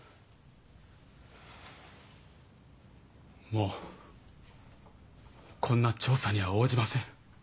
もうこんな調査には応じません。